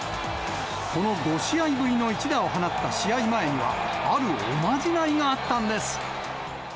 この５試合ぶりの一打を放った試合前には、あるおまじないがあったんです。